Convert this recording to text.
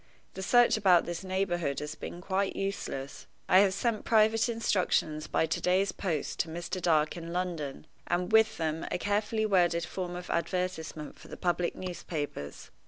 The search about this neighborhood has been quite useless. I have sent private instructions by to day's post to Mr. Dark in London, and with them a carefully worded form of advertisement for the public newspapers.